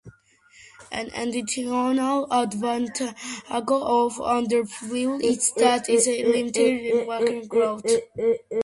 An additional advantage of underfill is that it limits tin whisker growth.